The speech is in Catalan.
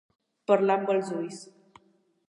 Parlar amb els ulls.